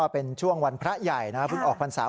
เป็นช่วงวันพระใหญ่นะเพิ่งออกพรรษา